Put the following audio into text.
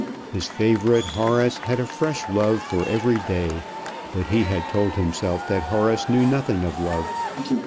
His favourite Horace had had a fresh love for every day; but he had told himself that Horace knew nothing of love.